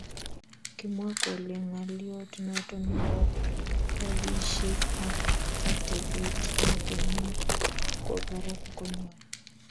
Kimwa kole ngaliot noto nebo rabisiek ak atepet nito niki kwo barak ko nyon